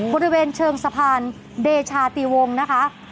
บริเวณเชิงสะพานเดชาติวงศ์นะคะ